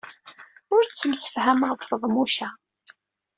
Ur ttemsefhameɣ ed Feḍmuca.